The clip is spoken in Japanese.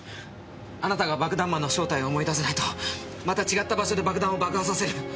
あなたが爆弾魔の正体を思い出さないとまた違った場所で爆弾を爆破させる。